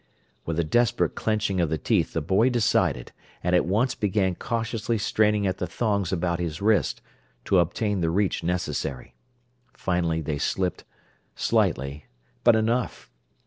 With a desperate clenching of the teeth the boy decided, and at once began cautiously straining at the thongs about his wrist, to obtain the reach necessary. Finally they slipped, slightly, but enough.